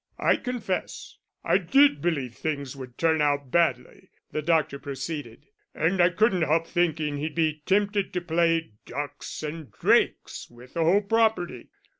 "I confess I did believe things would turn out badly," the doctor proceeded. "And I couldn't help thinking he'd be tempted to play ducks and drakes with the whole property.